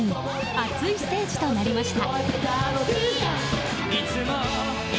熱いステージとなりました。